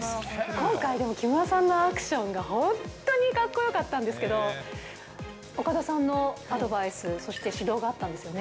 今回、木村さんのアクションが本当に格好よかったんですけど、岡田さんのアドバイス、指導があったんですよね？